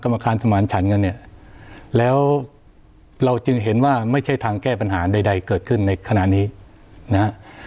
มาคารสมานฉันกันเนี่ยแล้วเราจึงเห็นว่าไม่ใช่ทางแก้ปัญหาใดเกิดขึ้นในขณะนี้นะฮะ